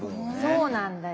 そうなんだよ。